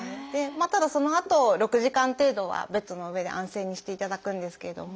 ただそのあと６時間程度はベッドの上で安静にしていただくんですけれども。